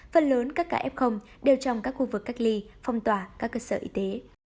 phần lớn các ca f đều trong các khu vực cách ly phong tỏa các cơ sở y tế